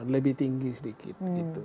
lebih tinggi sedikit